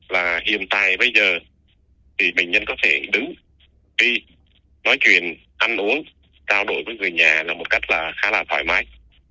là hiện tại bây giờ thì bệnh nhân có thể đứng đi nói chuyện ăn uống trao đổi với người nhà là một cách khá là thoải mái